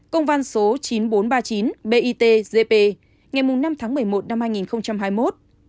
công văn số chín nghìn bốn trăm ba mươi chín bitgp ngày năm tháng một mươi một năm hai nghìn hai mươi một